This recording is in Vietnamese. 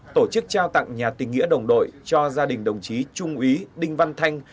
tổ chức trao tặng nhà tình nghĩa đồng đội cho gia đình đồng chí trung ý đinh văn thanh